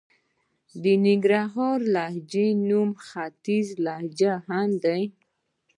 د ننګرهارۍ لهجې نوم ختيځه لهجه هم دئ.